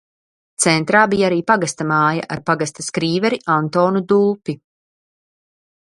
Centrā bija arī pagasta māja ar pagasta skrīveri Antonu Dulpi.